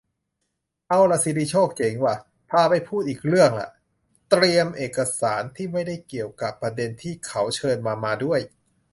เอาล่ะ ศิริโชค เจ๋งว่ะ พาไปพูดอีกเรื่องละ เตรียมเอกสาร-ที่ไม่ได้เกี่ยวกะประเด็นที่เขาเชิญมา-มาด้วย